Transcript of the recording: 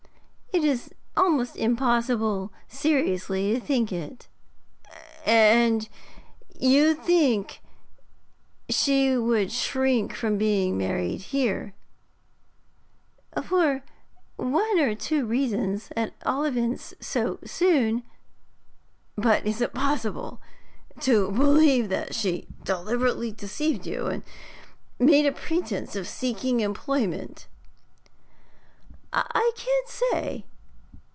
'It is almost impossible seriously to think it.' 'And you think she would shrink from being married here?' 'For one or two reasons at all events, so soon.' 'But is it possible to believe that she deliberately deceived you made a pretence of seeking employment?' 'I can't say.